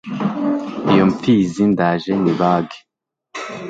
iyo mpfizi ndaje nyibage